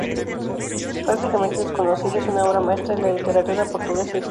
Prácticamente desconocida, es una obra maestra de la literatura portuguesa y judía.